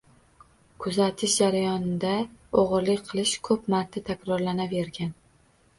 Kuzatish jarayonida o‘g‘rilik qilish ko‘p marta takrorlanavergan.